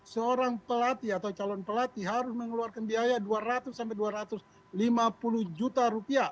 seorang pelatih atau calon pelatih harus mengeluarkan biaya rp dua ratus dua ratus lima puluh juta